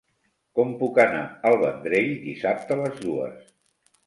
Com puc anar al Vendrell dissabte a les dues?